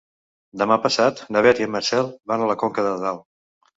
Demà passat na Beth i en Marcel van a Conca de Dalt.